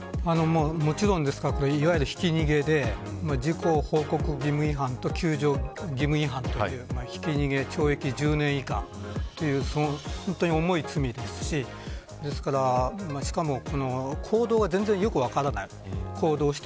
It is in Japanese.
もちろん、これはいわゆるひき逃げで事故報告義務違反と救助義務違反というひき逃げ、懲役１０年以下という本当に重い罪ですししかも、行動がよく分からない。